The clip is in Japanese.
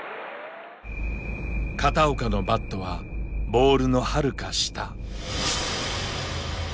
片岡のバットはボールのはるか下。